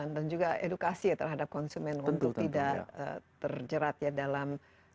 juga edukasi ya terhadap konsumen untuk tidak terjerat ya dalam